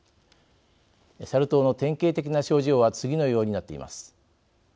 サル痘の典型的な症状は次のようになっています。